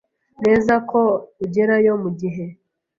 neza ko ugerayo mugihe.